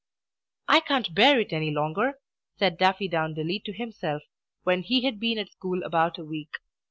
"I can't bear it any longer," said Daffydowndilly to himself, when he had been at school about a week.